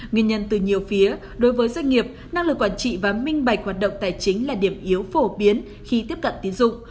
nguyên nhân từ nhiều phía đối với doanh nghiệp năng lực quản trị và minh bạch hoạt động tài chính là điểm yếu phổ biến khi tiếp cận tín dụng